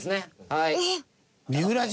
はい。